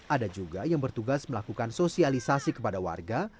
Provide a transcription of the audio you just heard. ada juga yang bertugas melakukan sosialisasi kepada warga